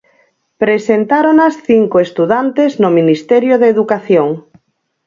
Presentáronas cinco estudantes no Ministerio de Educación.